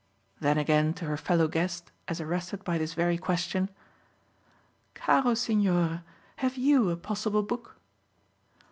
Then again to her fellow guest, as arrested by this very question: "Caro signore, have YOU a possible book?"